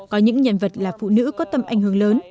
có những nhân vật là phụ nữ có tầm ảnh hưởng lớn